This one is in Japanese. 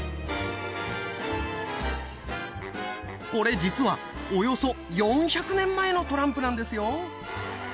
これ実はおよそ４００年前のトランプなんですよ。